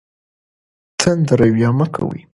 تند رویه مه کوئ.